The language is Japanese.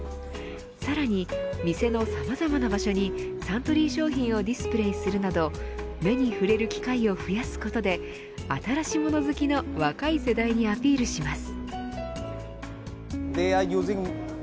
さらに、店のさまざまな場所にサントリー商品をディスプレーするなど目に触れる機会を増やすことで新しもの好きの若い世代にアピールします。